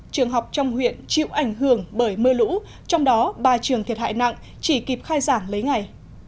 trường học trong huyện chịu ảnh hưởng bởi mưa lũ trong đó ba trường thiệt hại nặng chỉ kịp khai giảng lấy ngày